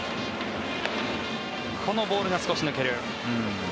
このボールが少し抜ける。